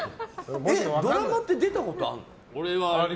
ドラマって出たことあるの？